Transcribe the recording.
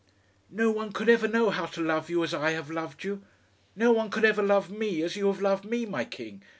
No one could ever know how to love you as I have loved you; no one could ever love me as you have loved me, my king.